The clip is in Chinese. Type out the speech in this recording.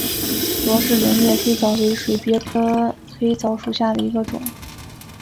罗氏轮叶黑藻为水鳖科黑藻属下的一个种。